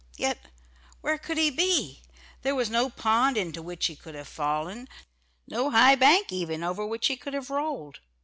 Yet where could he be? There was no pond into which he could have fallen no high bank even, over which he could have rolled.